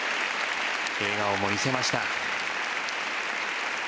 笑顔も見せました。